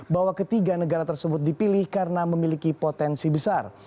bahwa ketiga negara tersebut dipilih karena memiliki potensi besar